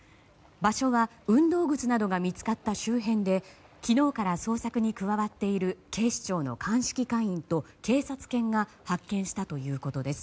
場所は運動靴などが見つかった周辺で昨日から捜索に加わっている警視庁の鑑識課員と警察犬が発見したということです。